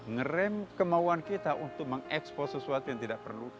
ngerem kemauan kita untuk mengekspos sesuatu yang tidak perlu